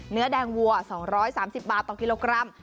เนื้อแดงวัว๒๓๐บาทต่อกิโลกรัม